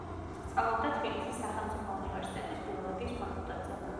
სწავლობდა თბილისის სახელმწიფო უნივერსიტეტის ბიოლოგიის ფაკულტეტზე.